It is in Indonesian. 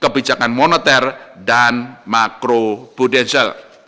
kebijakan moneter dan makro prudensial